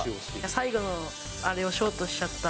最後のあれをショートしちゃった。